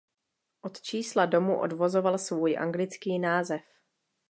Od čísla domu odvozoval svůj anglický název.